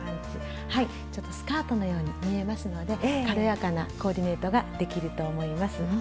ちょっとスカートのように見えますので軽やかなコーディネートができると思います。